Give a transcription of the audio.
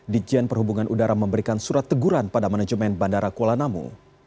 dijen perhubungan udara memberikan surat teguran pada manajemen bandara kuala namu